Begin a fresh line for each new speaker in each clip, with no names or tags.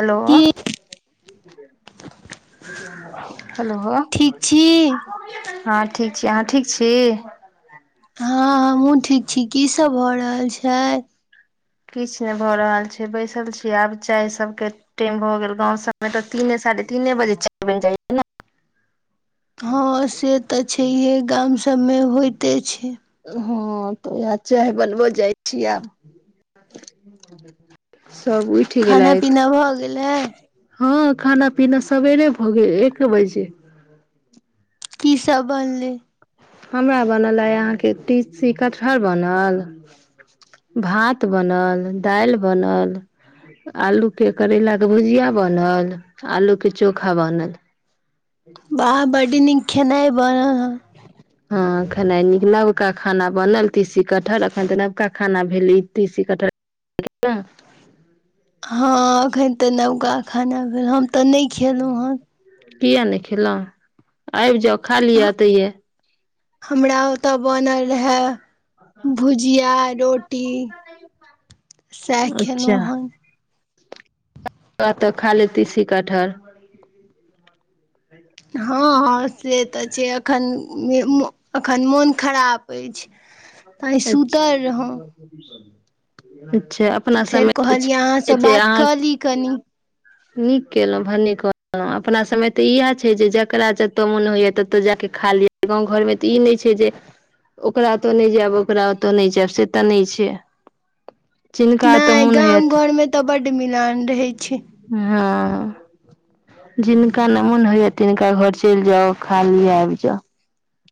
Hello ह।
की
[unintelligible] hello
ठीक छी
-हँं ठीक। [unintelligible] जी अहाँ ठीक छी। [unintelligible]
हँ हमहूँ ठीक छी की सब भऽ रहल छैय।
किछु नहि भऽ रहल छै बैसल छीियै आब चाय सभके टाइम भऽ गेल गाँव सभमे तऽ तीने साढ़े तीने बजे छ बनि जाइयै ने। [unintelligible]
हँ से तऽ छैहे गाम सभमे होइते छै। [unintelligible]
हँ तऽ उएह चाय बनबो जाइ छीिय आब। [unintelligible] ह। [unintelligible]
खाना- पीना भऽ गेल। [unintelligible]
हँ खाना- पीना सबेरे भऽ गेल एक बजे। [unintelligible]
की सब बनलै। [unintelligible]
हमरा बनल अय अहाँके तीसी कटहर बनल भात बनल दालि बनल आलू के करैलाक के भुजिया बनल आलू के चोखा बनल।
बाह बडिन खेनाइ। [unintelligible] वन। [unintelligible]
हँ खना न लत। [unintelligible] नबका खाना बनल तीसी कटहल एखन तऽ नबका खाना भेल ई तीसी कटह। [unintelligible]
हँ अखन ते नवका खाना भेल। [unintelligible] तऽ नहि खेलहु हन। [unintelligible]
कि आनख ल। [unintelligible] आबि जाउ खाली तऽये। [unintelligible]
हमरा ओतय बनल रहए। [unintelligible] भुजिया। [unintelligible] रो। [unintelligible] ुटी सेखनोहन।
अच्छा
[unintelligible]
तऽ खाली तीसी क ठर। [unintelligible]
हँ- हँ से तऽ छै एखन- एखन मोन- खराब अछि। आइ
अच्छा।
सुतल
[unintelligible] [unintelligible]
तऽ फेर
समय
कहलियै अहाँसँ
जे
बात
अहाँ
कऽ ली कनि। [unintelligible]
नीक केलहुँ भने कहलहु अपना सभमे तऽ इएह छै जे जकरा जतय मोन होइया ततय जा कऽ खा लिय गाँव घरमे तऽ ई नहि छै जे ओकरा ओतऽ नहि जायब। ओकरा ओतो नहि छै आब से तऽ नहि छै। [unintelligible] ओतऽ
नहि
मोन
गाम
होयत
घर मे तऽ बड। [unintelligible] मिलान। [unintelligible] छै
[unintelligible] हँ- जिनका नमन होइ या। तिनका घर चलि जाउ खाली आबि जाउ।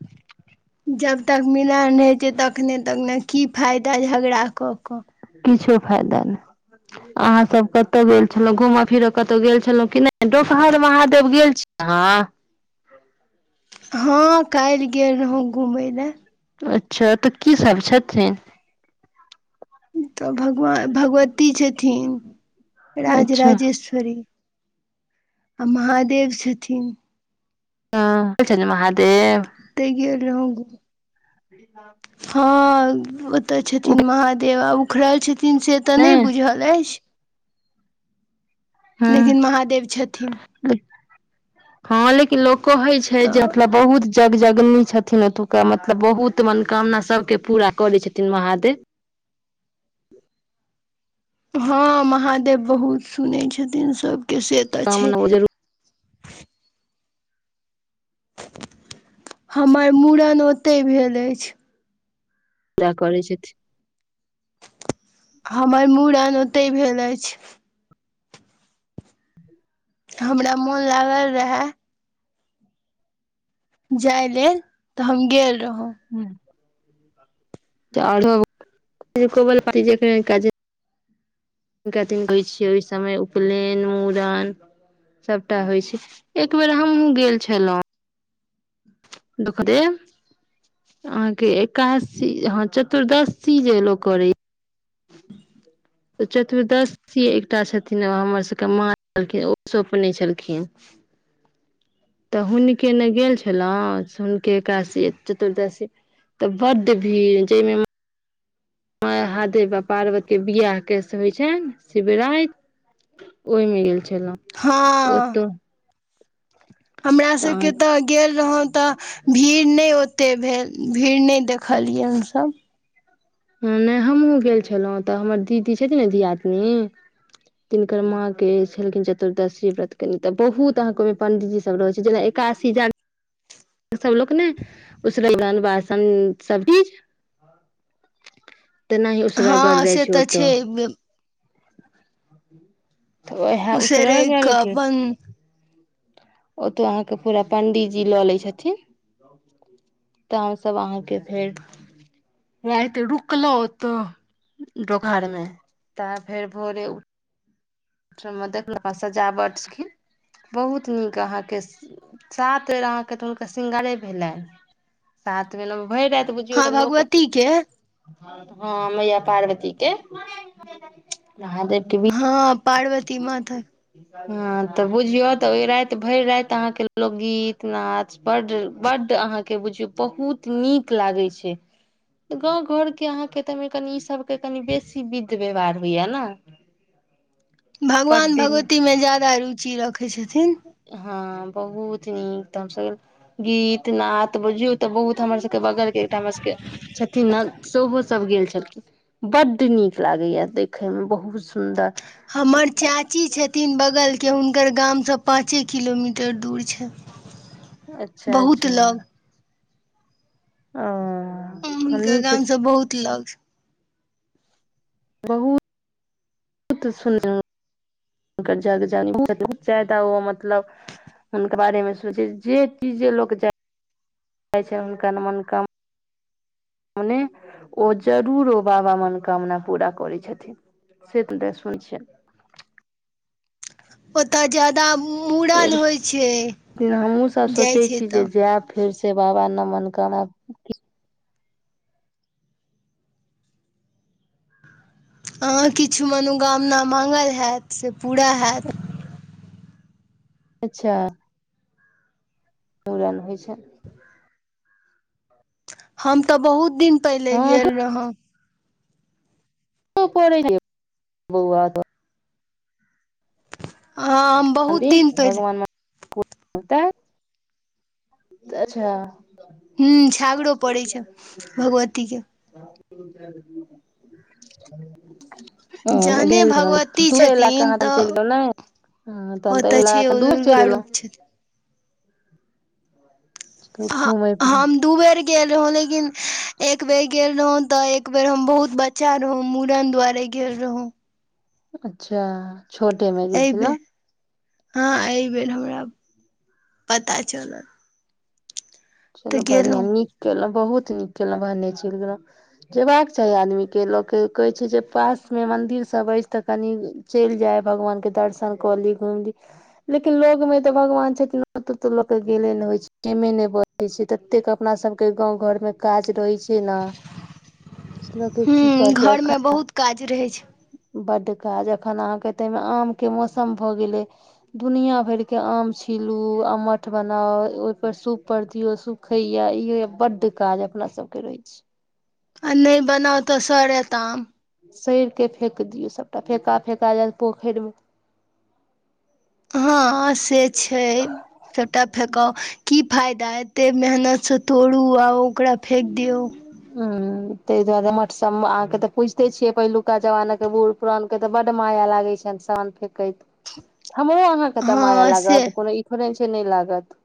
[unintelligible]
जब तक मिलन होैत छै तखने तक ने की फाइदा झगड़ा कऽ कऽ। [unintelligible]
किछो फायदा नहि अहाँ सब कतहु गेल छलहुँ घूम फिरऽ कतहु गेल छलहुँ क नहि डोकहर महादेव गेल छी कहां।
हँ खायली। [unintelligible] गेल रहौ घुमय लए। [unintelligible]
अच्छा तऽ की सब छथिन। [unintelligible]
तऽ भगवान -भगवती छथिन। [unintelligible] राज
अच्छा
राजेश्वरी। [unintelligible] आ महादेव छथिन। [unintelligible]
ह महाद। [unintelligible]
तै गियल हगु। [unintelligible] हँ। [unintelligible] त। [unintelligible] ओतऽ
उ
छथिन महादेव आब। खराल चित। [unintelligible] न से तऽ नहि बुझल अछि। [unintelligible]
हँ
लेकिन महादेव छथिन। [unintelligible]
क लोक। [unintelligible] कहै छै जे
तऽ
मतलब बहुत। [unintelligible] जग जगनी छथिन ओतुका मतलब बहुत मनोकामना सभके पूरा करै छथिन महादेव। [unintelligible]
हँ महादेव बहुत सुनै छथिन सब। क से तऽ छै।
कामना ओ
[unintelligible]
जरूर
[unintelligible] हमर मूड़न ओतहि भेल अछि।
दा कर छथि। [unintelligible]
हमर मूड़ आन ओतहि भेल अछि। [unintelligible] हमरा मोन लागल रहए। [unintelligible] जाइले तऽ हम गेल। [unintelligible]
हँ। [unintelligible] [unintelligible] आ कहै छियै ओहि समय उपनयन मुूड़न सभटा होइ छै एक बेर हमहुूँ गेल छलहुँ। दूख देब अहाँके एकासी ह चतुर्दशी जे लोको करै। [unintelligible] त चतुर्दशी एकटा छथिन हमर सभके माँ- छलखिन ओ सपने छलखिन- तऽ हुनके ने गेल छलहुँ हुनके एकशी चतुर्दशी- तऽ बड्ड भीड़ जाहिमे। हहादे बा पार्वती के बिवाह केस होइ छनि शिवराति ओहिमे गेल छनि। छल त ओ
हँ
तऽ। [unintelligible]
हमरा सबके तऽ गेल रहौ। [unintelligible] तऽ भीड़ नहि ओते भेल भीड़ नहि देखलियै हमसभ। [unintelligible]
नहि हमहूँ गेल छलहुँ तऽ हमर दीदी छथिन ने धियादनी तिनकर माँके छलखिन चतुर्दशी व्रत कनि तऽ बहुत अहाँके ओहिमे पण्डितजीसभ रहैत छै जेना एकासी जार सभ लोक ने उसरैलन वासन सभ चीज। तेनाही
हँ सेे तऽ छै। [unintelligible]
ह। [unintelligible]
उसरे एक अपन। [unintelligible]
ओतऽ अहाँके पूरा पं्डी जी लऽ लै छथिन तऽ हमसभ अहाँके फेर राति रुकलहुँ ओतऽ डोकहरमे तऽ फेर भोरे। मे देखलहुँ हँ सजावट छलखिन बहुत नीक अहाँके सात बेर अहाँके तऽ हुनकर श्रङंगारे भेलनि सात बेर भरि राति। बुझियौ
हँ
तऽ लोक
भगवतीके। [unintelligible]
हँ मैया पार्वती के। [unintelligible] नहाँ देके भी।
हँ
[unintelligible]
पार्वती मथ। [unintelligible]
हँ तऽ बुझियो तऽ ओहि राति भरि राति अहाँके लोकगीत नाच बड -बड अहाँके बुझियौ बहुत नीक लागे छै गाँं घर के अहाँके त कनी ई सब। क बेसी बिध। व्यवहार भय ने। [unintelligible] बड
भगवान
दिन
भगवती में ज्याददा रुचि। [unintelligible] चीरख। [unintelligible] देखै छथिन। [unintelligible]
हँ बहुत नीक त हम सब गीत नाद बुझियऔ ते बहुत हमर सबके बगल के एकटा हमर सबके छथिन ने सेहो सब गेल छलखिन बड नीक लागे या देखे में बहुत सुन्दर।
कि हुनकर गामसँ पाँचे किलोमीटर दूर छै।
अच्छा
बहुत
-अच्छा।
लग
[unintelligible] ह। [unintelligible]
हुनका गामसँ बहुत लग। [unintelligible]
बहुूत। [unintelligible] बहुत सुन -हुनकर जग जान छथि जादाऽ ओ मतलब हुनकर बारेमे सोचै जे चीज जे लोक जाइ- जाइ छै हुनकर मननकाम। ने ओ जरूर ओ बाबा मनोकामना पूरा करै छथिन से त सुन। [unintelligible]
ओ। [unintelligible] तऽ जाादा
छियनि
मूड़न होइ छै जाइ छै तऽ। [unintelligible]
फिर से बाबा न मननकामना। [unintelligible]
अहाँ किछु मनोकामना माङ्गल हैत से पूरा हैत। [unintelligible]
अच्छा [unintelligible] मड़न होइ छै।
हम तऽ बहुत। [unintelligible] दिन पहिले
हँ
गेल रहौ। [unintelligible]
ओ पे [unintelligible] बहुआ त।
हँ हम बहुत दिन पहिल। [unintelligible]
को बत। [unintelligible] अच्छा। [unintelligible]
ह्म छागड़ो पड़ैत छै भगवतीके। [unintelligible]
[unintelligible] ू ल
जहने
चलि
भगवती छथिन तऽ
ने तन तऽ
ओतऽ छै ओ
दूर चलि
दुर्गा
एलहुँ।
रूप
[unintelligible]
छथिन
[unintelligible]
ह हम दू बेर गेल रहौं ले न एक बेर गेल रहौं तऽ एक बेर हम बहुत बच्चा रहौं मूड़न दुआारे गेल रहौ।
अच्छा। छोटे भ गेल
एहि
छले?
बेर हँ एहि बेर हमरा पता चलल। [unintelligible]
चलो
तऽ
बढ़ििया
गेलहुँ
नीक केलहु। [unintelligible] बहूत नीक केलौं भने चैल गेलौं, जेबाक क त आदमी के ल के कहै छै जे पास में मंदिर सब ऐछ तऽ कनि चैल जाय भगवान के दर्शन क ली, घुइम ली, लेकिन लोग में ते भगवान छथिन त-त लोक के गेले ने होई छ ति न ने ने ब तै से ततेक अपना सबके गाँंव घर में काज रहै छ। केना लोकके की
हूँ
करते
घरमे
क-आ
बहुत काज रहै छै।
बड्ड काज अखन अहाँके तै में आमके मौसम भऽ गेलै दुनिया भैर के आम छीलू अमठ बनाउ ओइपर सूप पर दियौ सूखैये इ होइये बड्ड काज अपना सभके रहै छै।
आ नै बनाउ तऽ सरत आम।
सैर के फेेक दियौ सबटा फेका- फेका जेत पोखैर में।
हँ से छै सबटा फेकौ। की फायदा एत्ते मेहनत? से तोड़ू आ ओकरा फेक दियौ।
तै दुआरे मट्सम मे अहाँ के ते पूइजते छियै पहिलुका जमाना के बूढ़ पुरान के ते बड माया लागे छैन सान फे। कैत हमरो अहाँ के माया
हँ से
लागत कोनो ई थोरे छै। से नै लागत।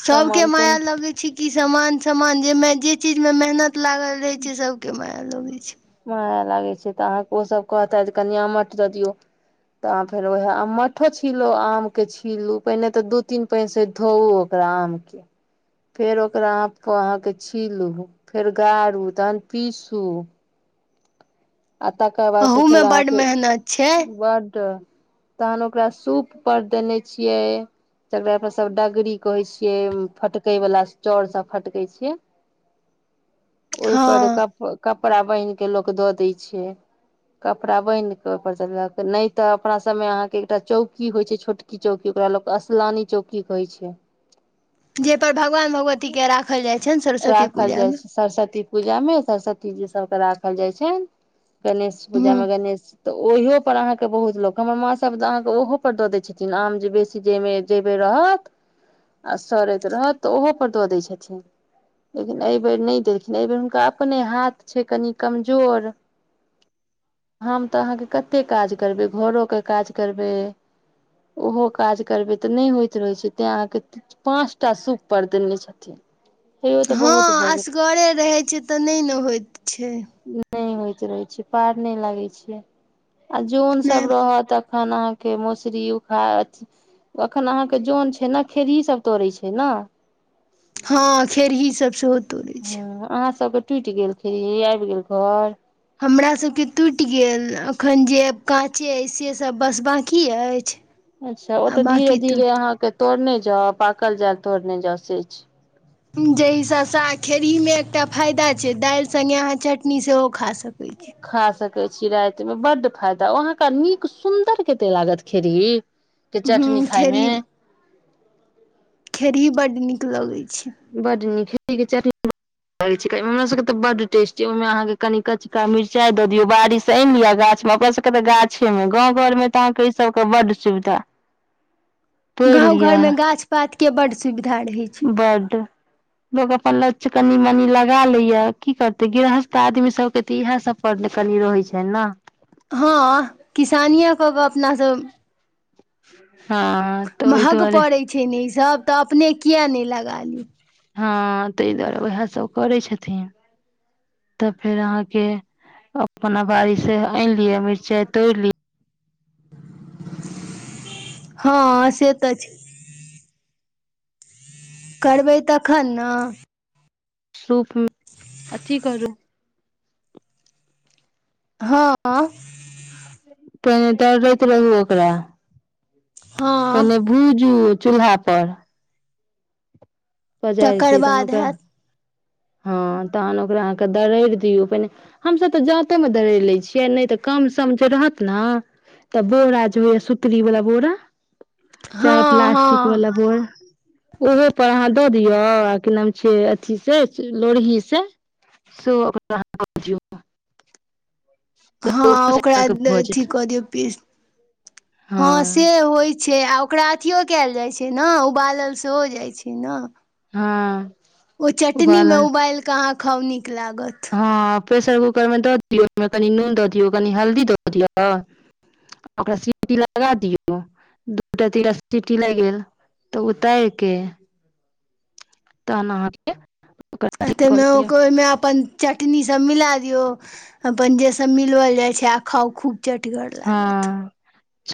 सबके
सामान
माया
कोन
लगैत छी कि समान- समान जाहिमे जे चीज मे मेहनत लागल रहै छै सबके मे लगै छ
माया लागै छै तऽ अहाँ के ओ सभ कहतैथ जे कनि अमठ दऽ दियौ तऽ अहाँ फेर वेहे अमठो छीलू आमके छीलू पहिने तऽ दू-तीन पैन से धौ ओकरा आमके, फेर ओकरा आप के अहाँ के छीलू फेर गारू तहन पीसू। आ तकर बाद से फेर
अहूमे बड्ड
अहाँके
मेहनत छै
बड्ड तहन ओकरा सूप पर देने छियै तकरा पर सब डगरी कहै छियै फटकय बला चाउर सब फटकै छियै। ओइ पर
हँ
कप-कप पड़ा बैन्ह के ल लोक दऽ दै कपरा बैन्ह कऽ ओइ पर स ल क नै त तऽ अपना सबमे अहाँके एकटा चौकी होइ छै छोटकी-चौकी ओकरा लोक अस्लानी चौकी कहै छै।
जेतऽ भगवान-भगवती के राखल जाइ छैन सरस्वती
राखल
पूजा मे।
ई जे सबके राखल जाइ छैन। गणेश पूजा
ह
ले गणेश त ओहिये पर अहाँ बहुत लोक हमर माँ सभ अहाँके ओहो पर दऽ दै छथिन आम जे बेसी जे जै बेर रहत आ सड़ैत रहत तऽ ओहो पर दऽ दै छथिन लेकिन ऐ बेेर नै देलखिन ऐ बेर हुनका अपने हाथ छै कनि कमजोर। हम तऽ अहाँके कते काज करबै घरोे काज करबै ओहो काज करबै तऽ नै होइत रहै छै तैं अहाँके पाँच टा सुूप पर देने छथिन। तैयो तऽ
हँ
बहुत भऽ
असगरे रहै छै तऽ नहि ने होइत छै।
गेल नहि होइत रहै छी पार नहि लागै छियै। आ जन
नहि
सब रहत खन अहाँके मौसरी उखा अखन अहाँके जन छै न खेरही सब तोड़ै छै न।
हँ खेर ही सब सेहोत।
ह अहाँ सबके टूटि गेल खे आबि गेल घर
हमराासके टूटि गेल अखन जे काँचे अछि से सब बस बकी अछि।
अच्छा
आ
ओतऽ धीरे
बाकी
धीरे
टूटि
अहाँके तोड़ने ज पकल जा तोरने जासेज
जाहि हिसँ खेरहीमे एकटा फायदा छै दालि सङ्गे अहाँ चटनी सेहो खा सक
खा सकै छीिय रातिमे ब फायदा अहाँके नीक सुन्दर कते लागत खेड़ के चटनी
हूँ
खाायमे।
खेरी ह बड निकल गई
बडनी ख ीक चटनी लगै छ हमर सभके तऽ बड्ड टेस्टी ओहिमे अहाँकेँ कनि कचका मिरचाइ दऽ दियौ बारिश आनि लिअ गाछमे ओकरा सभके तऽ गाछेमे गाँव घरमे तऽ अहाँके इसभके बड्ड सुविधा। तोड़ि
गाँंव
लिअ
घरमे गाछ पाात के बढ़ि धढ़ है छै।
बड लोक अपन ल कनि मनी लगा लैया की करते गृहस्थ आदमी सबके तऽ इएह सभ पर कनि रहै छै ने
हँ किसानए क कऽ अपनासभ
हँ तऽ ओहि
महग
दुआरे
पड़ैत छै ने ई सब तऽ अपने कििया ने लगा ली।
हँ ताहि दुआरे उएहसभ करै छथिन तऽ फेर अहाँके अपना बाड़ीसँ आनि लियअ मिरचाइ तोड़ि लिय
हँ से तऽ छै। करबै तखन ने।
सूपमे अथी करू।
हँ।
त त रह ओकरा
हँ
पहिने भूज उ चूल्हा पर। पजार
तकर
क तहन
बाद
ओकरा
हैत
हँ तहन ओकरा अहाँकेँ दरड़ि दियौ पहिने हमसभ तऽ जाँतोमे दरड़ि लै छियै नहि तऽ कम सम जे रहत ने तऽ बोरा जे होइए सुूतरीवला बोरा चाहे
हँ
प्लास्टिक
हँ
वालला बोर्ड ओहो पर अहाँ दऽ दियौ आ की नाम छ अथ से लोढ़ही सेिय
हँ ओकरा अथी कऽ दियौ पी हँ से होइ छै आ ओकरा। अथिियो कयल जाइत छै ने उबालल सेहो जाइत छै ने।
हँ। [unintelligible]
ओ चटनी में
उबालल
उबाल काँ खानी। [unintelligible] एक लागत। [unintelligible]
हँ प्रेशर कूकरमे दऽ दियौ ओहिमे कनि नून दऽ दियौ कनि हल्दी दऽ दियौ -ओकरा सीटी लगा दियौ दूटा तीनटा सीटी लागि गेल- तऽ उतारिके। तहन अहाँके। [unintelligible] ओकर
अ
अथी कऽ
तेमे ओ
लिअ
ओहिमे अपन चटनीसभ मिला दियौ अपन जे। [unintelligible] सब मिलओल जाइ छै आखउ खूब। [unintelligible] चटीगर लागत। [unintelligible]
हँ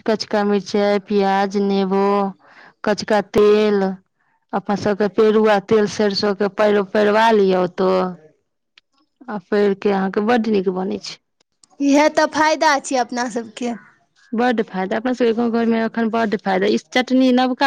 कचका मिर्चाइ प्याज नेबो कचका तेल अपसभके पेरुआ तेल सरिसोके परवा- लिअ ओतय आ पहिर क अहाँके बड्ड नीक बनैत छै। [unintelligible]
क। [unintelligible]
बड्ड फायदा अपना सबके गाँव घरमे रखन बड फायदा ई चटनी नबका।